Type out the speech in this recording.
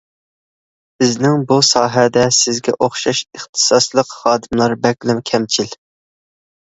بىزنىڭ بۇ ساھەدە سىزگە ئوخشاش ئىختىساسلىق خادىملار بەكلا كەمچىل.